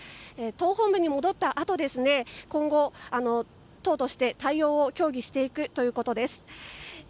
党本部に戻ったあと今後、党として対応を協議していくということです。